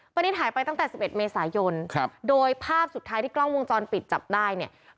ณิตหายไปตั้งแต่๑๑เมษายนโดยภาพสุดท้ายที่กล้องวงจรปิดจับได้เนี่ย